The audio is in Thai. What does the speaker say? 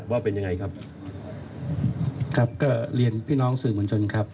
ว่าเป็นยังไงครับครับก็เรียนพี่น้องสื่อมวลชนครับ